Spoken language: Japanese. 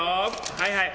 はいはい。